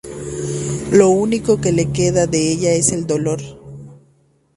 Lo único que le queda de ella es el dolor.